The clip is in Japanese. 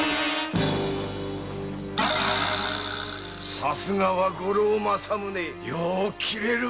さすがは「五郎正宗」よう斬れるわ。